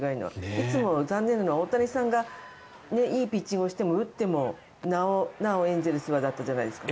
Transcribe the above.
いつも残念なのは大谷翔平がいいピッチングをしても打っても、なおエンゼルスはだったじゃないですか。